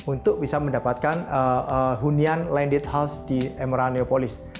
untuk bisa mendapatkan hunian landed house di emerald neopolis